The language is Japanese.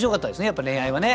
やっぱ恋愛はね。